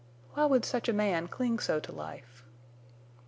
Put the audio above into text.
Why would such a man cling so to life?